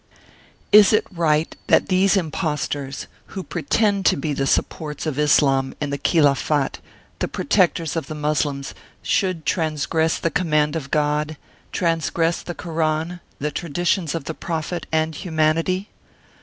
Is it right that these impostors, who pretend to be the supports of Islam and the Khilafat, the pro tectors of the Moslems, should transgress the com 22 Martyred Armenia mand of God, transgress the Koran, the Traditions of the Prophet, and humanity?